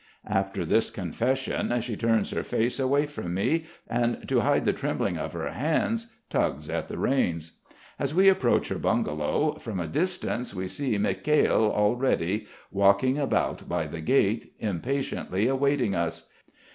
After this confession, she turns her face away from me, and to hide the trembling of her hands, tugs at the reins. As we approach her bungalow, from a distance we see Mikhail already, walking about by the gate, impatiently awaiting us.